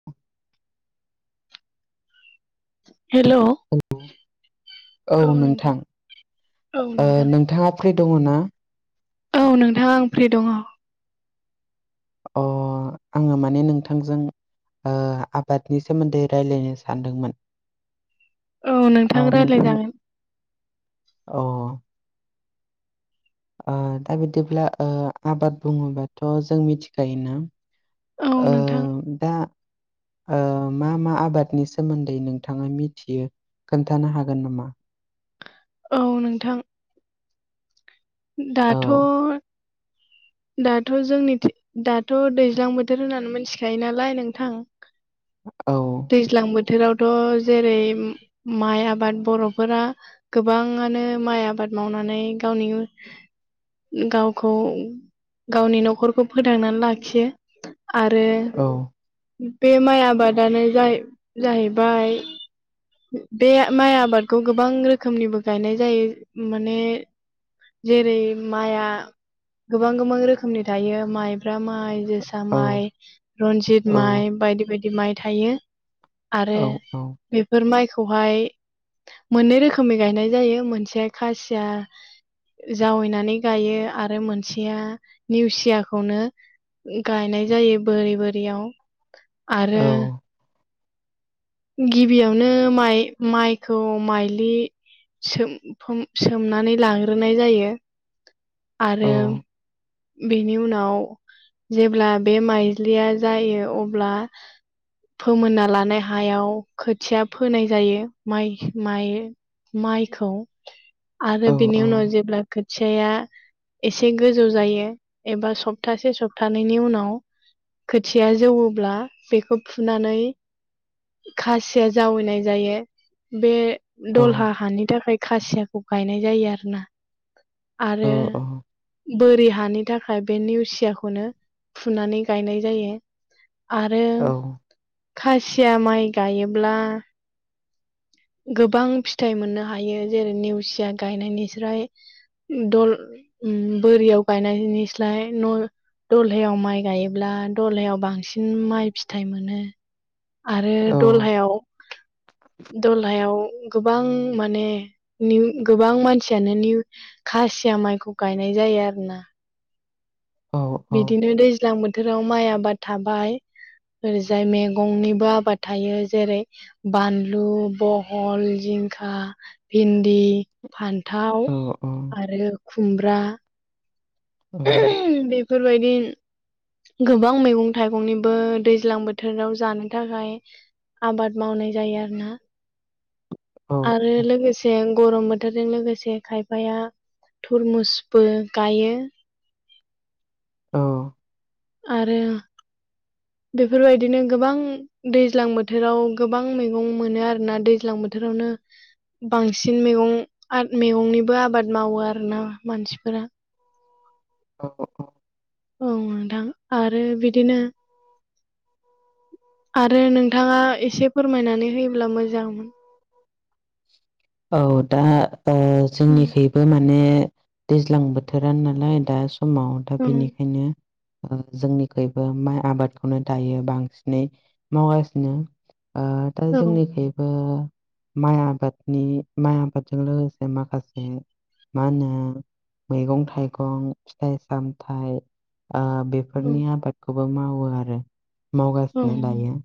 [inaudible] हेल' hello औ नोंथां औ नोंथां नोंथाङा फ्रि दङ ना? औ नोंथां आं फ्रि दङ। अ आङो माने नोंथांजों ओ आबादनि सोमोन्दै रायलायनो सानदोंमोन औ ओ नोंथां रायज्लायजागोन औ ओ दा बिदिब्ला ओ आबाद बुङोबाथ' जों मिथिखायोना औ आ नोंथां दा ओ मा मा आबादनि सोमोन्दै नोंथाङा मिथियो खोन्थानो हागोन नामा औ नोंथां औ दाथ' दाथ' जोंनि दाथ' दैज्लां बोथोर होननानै मिथिखायो नालाय नोंथां औ दैज्लां बोथोरावथ' जेरै माइ आबाद बर'फोरा गोबाङानो माइ आबाद मावनानै गावनि गावखौ गावनि न'खरखौ फोथांनानै लाखियो आरो औ बे माइ आबादानो जाहैबाय बे माइ आबादखौ गोबां रोखोमनिबो गायनाय जायो माने जेरै माइआ गोबां गोबां रोखोमनि थायो माइब्रा माइ जोसा औ माइ रन्जित औ माइ बायदि बायदि माइ थायो आरो औ औ बेफोर माइखौहाय मोननै रोखोमै गायनाय जायो मोनसे खासिया जावैनानै गायो आरो मोनसेया निवसियाखौनो गायनाय जायो बोरि बोरियाव औ आरो गिबियावनो माइ माइखौ माइलि सोमनानै लाग्रोनाय जायो औ आरो बेनि उनाव जेब्ला बे माइज्लिया जायो अब्ला फोमोनना लानाय हायाव खोथिया फोनाय जायो माइ माइ माइखौ आरो औ बिनि उनाव जेब्ला खोथियाया एसे गोजौ जायो एबा सप्तासे सप्तानैनि उनाव खोथिया जौवब्ला बेखौ फुनानै खासिया जावैनाय जायो बे दलहा हानि थाखाय खासियाखौ गायनाय जायो आरो ना आरो औ बोरि हानि थाखाय बे निवसियाखौनो फुनानै गायनाय जायो आरो खासिया माइ गायोब्ला गोबां फिथाइ मोननो हायो जेरै नेवसिया गायनायनिस्राय दल उम बोरियाव गायनायनिस्लाय न' दल्लायाव माइ गायोब्ला दल्लायाव बांसिन माइ फिथाइ मोनो आरो औ दलहायाव दलहायाव गोबां माने नि गोबां मानसियानो निउ खासिया माइखौ गायनाय जायो आरो ना औ औ दैज्लां बोथोराव माइ आबाद थाबाय ओरैजाय मैगंनिबो आबाद थायो जेरै बानलु बहल जिंखा भिन्दि फान थाव औ आरो खुमब्रा औ बेफोरबायदि गोबां मैगं थाइगंनिबो दैज्लां बोथोराव जानो थाखाय आबाद मावनाय जायो आरोना। आरो लोगोसे गरम बोथोरजों लोगोसे जे खायफाया थरमुसबो गायो औ आरो बेफोरबायदिनो गोबां दैज्लां बोथोराव गोबां मैगं मोनो आरोना दैज्लां बोथोरावनो बांसिन मैगं मैगंनिबो आबाद मावो आरोना मानसिफोरा औ औ नोंथां आरो बिदिनो आरो नोंथाङा एसे फोरमायनानै होयोब्ला मोजांमोन औ दा ओ उम जोंनिखै बो माने दैज्लां बोथोरा नालाय दा समाव दा उम, बेनिखायनो जोंनिखुइबो माइ आबादखौनो दायो बांसिनै मावगासिनो दा औ जोंनिखैबो माइ आबादनि माइ आबादजों लोगोसे माखासे मा होनो मैगं थाइगं फिथाइ सामथायाइ आ बे बेफोरनि आबादखौबो मावो आरो औ मावगासिनो दायो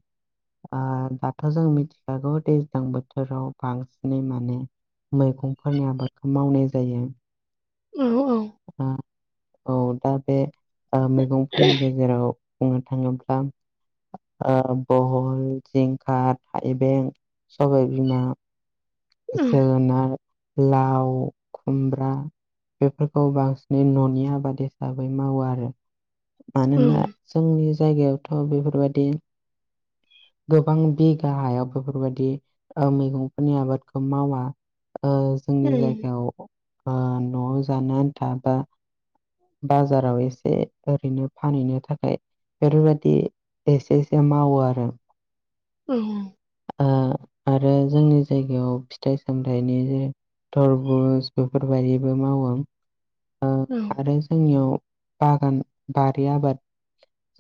आ दाथ' जों मिथिखागौ दैज्लां बोथोर बोथोराव बांसिनै माने मैगंफोरनि आबादखौ मावनाय जायो। औ औ आ औ दा बे मैगंफोरनि गेजेराव बुंनो थाङोब्ला ओ बहल, जिंखा, थाइबें, सबाय बिमा जोगोनार, लाव, खुमब्रा बेफोरखौ बांसिनै न'नि आबाद हिसाबै मावो आरो मानोना जोंनि जायगायावथ बेफोरबायदि गोबां बिगा हायाव बेफोरबायदि मैगंफोरनि आबाद मावा औ जोंनि जायगायाव न'आव जानो आन्था बा बाजाराव एसे ओरैनो फानहैनो थाखाय बेफोरबायदि एसे एसे मावो आरो अ ओ आरो जोंनि जायगायाव फिथाइ सामथायाइनि जेरै थरबुस बेफोरबायदिबो मावो आरो जोंनियाव बागान बारि आबाद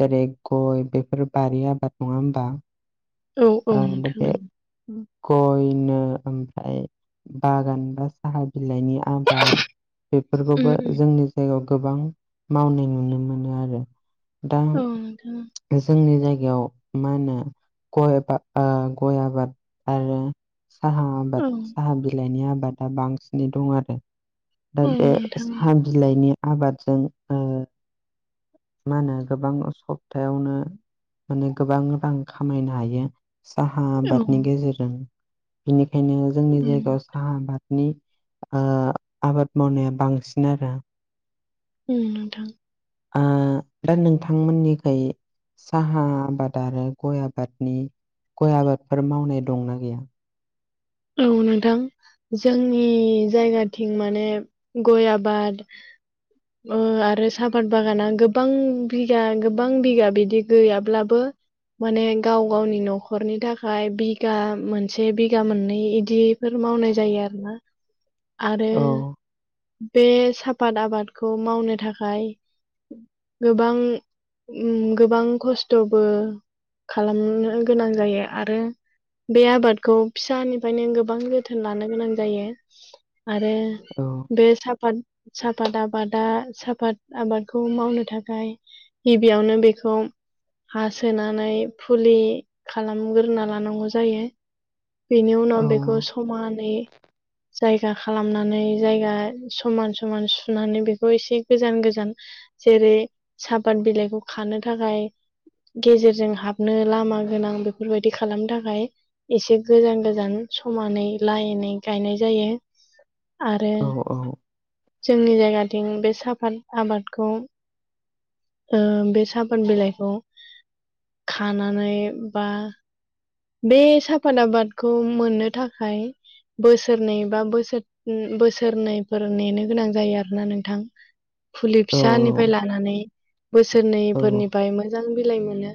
जेरै गय बेफोर बारि आबाद नङा होमबा औ आं बिदि गयनो ओमफ्राय बागान बा साहा बिलाइनि आबाद बेफोरखौबो जोंनि जायगायाव गोबां मावनाय नुनो मोनो आरो दा जोंनि जायगायाव मा होनो गय बा गय आबाद आरो साहा आबाद साहा बिलाइनि आबादा बांसिनै दं आरो दा औ बे नोंथां साहा बिलाइनि आबादजों ओ मा होनो गोबां सप्तायावनो माने गोबां रां खामायनो हायो साहा ओं आबादनि गेजेरजों बेनिखायनो जोंनि उम जायगायाव हा आबादनि आबाद मावनाया बांसिन आरो उम नोंथां आ दा नोंथांमोननिखै साहा आबाद आरो गय आबादनि गय आबादफोर मावनाय दंना गैया औ नोंथां जोंनि जायगाथिं माने गय आबाद [inaudible] आरो साहापात बागाना गोबां बिगा गोबां बिगा बिदि गैयाब्लाबो माने गाव गावनि न'खरनि थाखाय बिगा मोनसे बिगा मोननै इदिफोर मावनाय जायो आरोना आरो औ बे साफाद आबादखौ मावनो थाखाय गोबां गोबां खस्थबो खालामनो गोनां जायो आरो बे आबादखौ फिसानि ओफ्राय नों गोबां जोथोन लानो गोनां जायो आरो औ बे साफाद साफाद आबादा साफाद आबादखौ मावनो थाखाय गिबियावनो बेखौ हा सोनानै फुलि खालामगोरोना लानांगौ जायो बेनि औ उनाव बेखौ समानै जायगा खालामनानै जायगा समान समान सुनानै बेखौ एसे गोजान गोजान जेरै साफाद बिलाइखौ खानो थाखाय गेजेरजों हाबनो लामा गोनां बेफोरबायदि खालामनो थाखाय एसे गोजान गोजान समानै लायेनै गायनाय जायो आरो औ जोंनि जायगाथिं बे साहाफाद आबादखौ ओ बे साफाद बिलाइखौ खानानै बा बे साफाद आबादखौ मोननो थाखाय बोसोरनै बा बोसोर बोसोरनैफोर नेनो गोनां जायो आरोना नोंथां फुलि औ फिसानिफ्राय लानानै औ बोसोरनैफोरनिफ्राय मोजां बिलाइ मोनो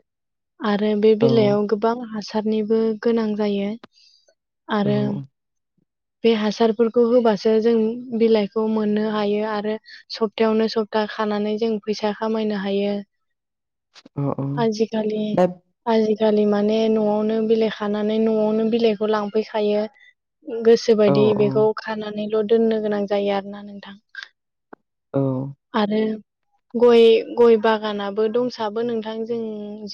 आरो बे औ बिलाइयाव गोबां हासारनिबो गोनां जायो औ आरो बे हासारफोरखौ होबासो जों बिलाइखौ मोननो हायो आरो सप्तायावनो सप्ता खानानै जों फैसा खामायनो हायो औ औ आजि खालि दा आजि खालि माने न'आवनो बिलाइ खानानै न'आवनो बिलाइखौ लांफैखायो गोसो औ बायदि औ बेखौ खानानैल' दोननो गोनां जायो आरो ना नोंथां औ आरो गय गय बागानाबो दंसाबो नोंथां जों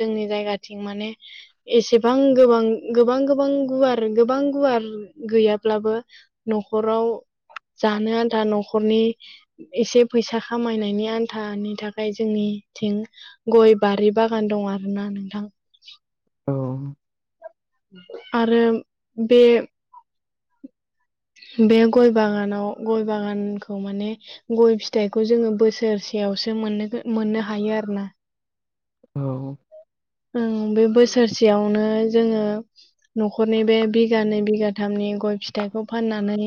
जोंनि जायगाथिं माने एसेबां गोबां गोबां गोबां गुवार गोबां गुवार गैयाब्लाबो न'खराव जानो आन्था न'खरनि एसे फैसा खामायनायनि आन्थानि थाखाय जोंनिथिं गय बारि बागान दं आरो ना नोंथां औ आरो बे बे गय बागानाव गय बागानखौ माने गय फिथाइखौ जोङो बोसोरसेयावसो मोन मोननो हायो आरो ना औ बे बोसोरसेयावनो जोङो न'खरनि बे बिगानै बिगाथामनि गय फिथाइखौ फाननानै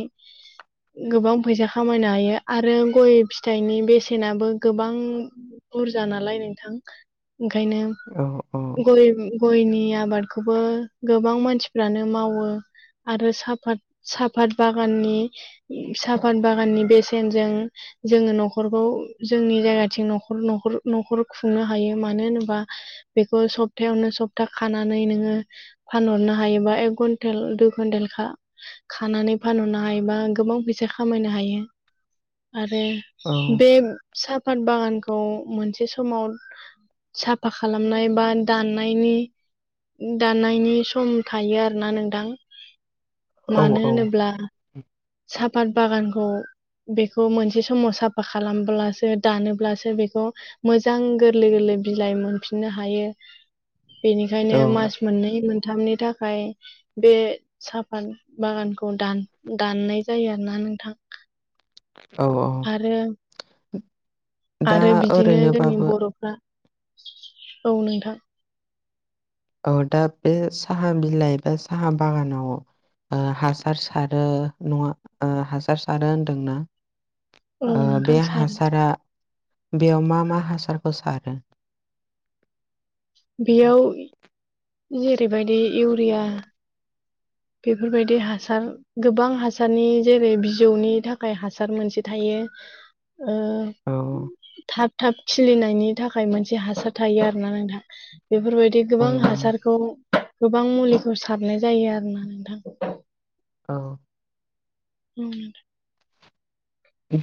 गोबां फैसा खामायनो हायो आरो गय फिथाइनि बेसेनाबो गोबां बुरजा नालाय नोंथां ओंखायनो औ औ गय गयनि आबादखौबो गोबां मानसिफ्रानो मावो आरो साफात साफात बागाननि साफात बागाननि बेसेनजों जोङो न'खरखौ जोंनि जायगाथिं नखर न'खर खुंनो हायो मानो होनोबा बेखौ सप्थायायावनो सप्ता खानानै नोङो फानहरनो हायोबा एक कुन्टेल दुइ कुन्टेलखा खानानै फानहरनो हायोबा गोबां फैसा खामायनो हायो आरो बे साफात बागानखौ मोनसे समाव साफा खालाम दामनाय बा दाननायनि दाननायनि सम थायो आरोना नोंथां औ मानो होनोब्ला सापात बागानखौ बेखौ मोनसे समाव साफा खालामब्लासो दानोब्लासो बेखौ मोजां गोरलै गोरलै बिलाइ मोनफिननो हायो बेनिखायनो औ मास मोननै मोनथामनि थाखाय बे साफात बागानखौ दान दाननाय जायो आरोना नोंथां औ आरो दा आरो बिदिनो जोंनि ओरैनोबाबो बर'फ्रा औ नोंथां औ दा बे साहा बिलाइ एबा साहा बागानाव ओ हासार सारो नङा हासार सारो होनदोंना औ बे नोंथां सारो हासारा बेयाव मा मा हासारखौ सारो बेयाव जेरैबायदि इउरिया बेफोरबायदि हासार गोबां हासारनि जेरै बिजौनि थाखाय हासार मोनसे थायो औ थाब थाब खिलिनायनि थाखाय मोनसे हासार थायो आरो ना नोंथां बेफोरबायदि औ गोबां हासारखौ गोबां मुलिखौ सारनाय जायो आरोना नोंथां औ नंगौ नोंथां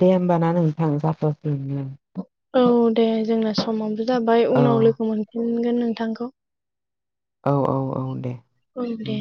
दे होमबा ना नोंथां जाथसिगोन दे औ दे जोंना समावबो जाबाय औ उनाव लोगो मोनफिनगोन नोंथांखौ औ औ औ दे औ दे उम